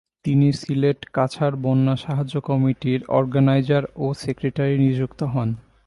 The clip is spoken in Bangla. তিনি সিলেট কাছাড় বন্যা সাহায্য কমিটির অর্গেনাইজার ও সেক্রেটারী নিযুক্ত হন।